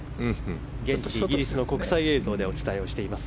現地イギリスの国際映像でお伝えしています。